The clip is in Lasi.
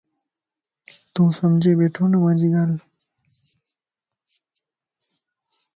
توسمجھي ٻيڻھونَ مانجي ڳالھه؟